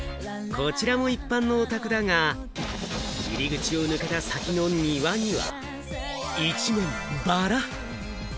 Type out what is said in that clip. こちらも一般のお宅だが、入り口を抜けた先の庭には、一面、バラ。